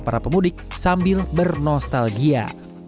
para pemudik sambil bernostalgia